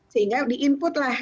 sehingga di inputlah